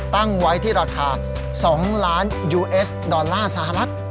ตั้งไว้ที่ราคา๒ล้านยูเอสดอลลาร์สหรัฐ